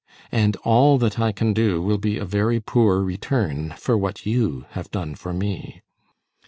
And all that I can do will be a very poor return for what you have done for me."